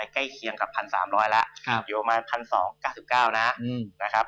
ใกล้เคียงกับ๑๓๐๐บาทแล้วอยู่ออกมา๑๒๙๙บาทนะครับ